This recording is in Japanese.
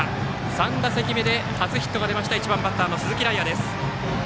３打席目で初ヒットが出た１番バッターの鈴木徠空です。